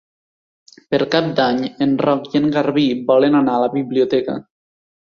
Per Cap d'Any en Roc i en Garbí volen anar a la biblioteca.